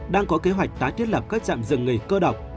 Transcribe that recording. đang có kế hoạch tái thiết lập các trạm dừng nghỉ cơ độc